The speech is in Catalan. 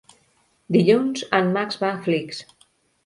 Dilluns en Max va a Flix.